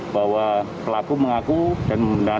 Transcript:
bahwa pelaku mengaku dan menggunakan